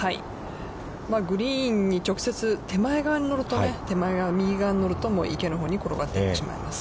グリーンに直接手前側に乗ると、手前側、右側に乗ると池のほうに転がっていってしまいます。